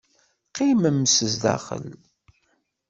Qqimem zdaxel.